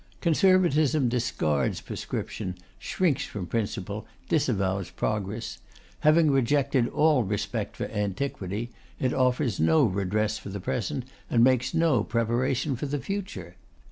Conservatism discards Prescription, shrinks from Principle, disavows Progress; having rejected all respect for Antiquity, it offers no redress for the Present, and makes no preparation for the Future.